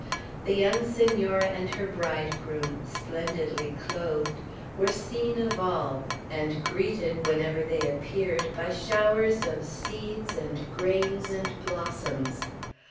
The young Senora and her bridegroom, splendidly clothed, were seen of all, and greeted, whenever they appeared, by showers of seeds and grains and blossoms.